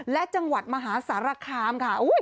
และจังหวัดมหาสารคามค่ะ